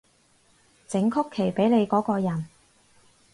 整曲奇畀你嗰個人